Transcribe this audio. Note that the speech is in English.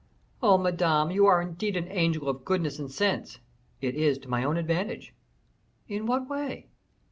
"Oh, Madame, you are indeed an angel of goodness and sense!" "It is to my own advantage." "In what way?"